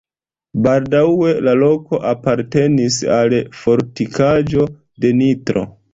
Baldaŭe la loko apartenis al fortikaĵo de Nitro.